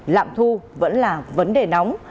lạm thu vẫn là vấn đề nóng